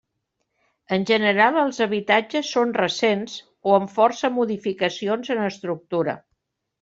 En general els habitatges són recents o amb força modificacions en estructura.